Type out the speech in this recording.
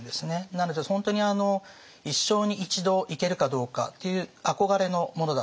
なので本当に一生に一度行けるかどうかっていう憧れのものだった。